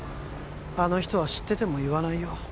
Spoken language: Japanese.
あの人は知ってても言わないよ